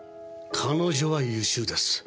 彼女は優秀です。